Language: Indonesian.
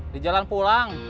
di jalan pulang